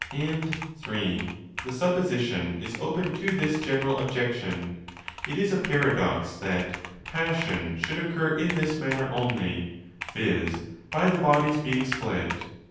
And (iii) the supposition is open to 15 this general objection—it is a paradox that' passion' should occur in this manner only, viz. by the bodies being split.